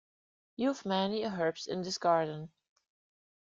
You have many herbs in this garden.